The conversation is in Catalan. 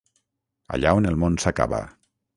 Allà on el món s’acaba.